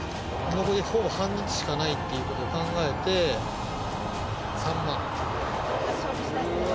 残りほぼ半日しかないっていうことを考えて、３万。